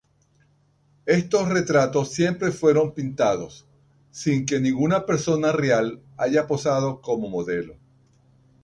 Estos retratos siempre fueron pintados, sin que ninguna persona real haya posado como modelo.